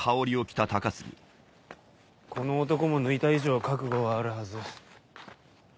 この男も抜いた以上覚悟はあるはず。